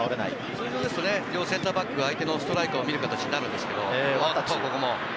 通常ですと両センターバックが相手のストライカーを見る形になるんですけど。